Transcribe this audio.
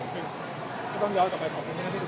ซึ่งที่ต้องยอมกลุ่มต่อไปขอบคุณทุกคน